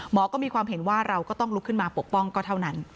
ก็มีความเห็นว่าเราก็ต้องลุกขึ้นมาปกป้องก็เท่านั้น